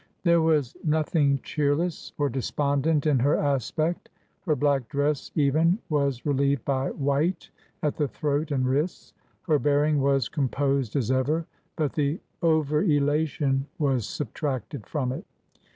There was nothing cheerless or despondent in her aspect, her black dress even was relieved by white at the throat and wrists, her bearing was composed as ever, but the over elation was subtracted from it.